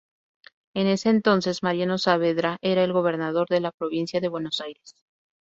En ese entonces Mariano Saavedra era el gobernador de la provincia de Buenos Aires.